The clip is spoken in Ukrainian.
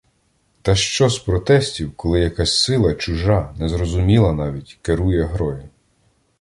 Та що з протестів, коли якась сила, чужа, незрозуміла навіть, керує грою.